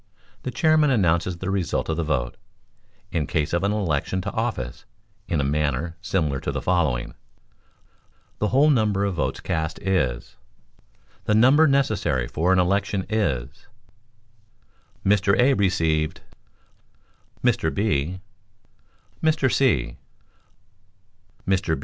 The Chairman announces the result of the vote, in case of an election to office, in a manner similar to the following: "The whole number of votes cast is —; the number necessary for an election is —; Mr. A. received —; Mr. B. —; Mr. C. —. Mr.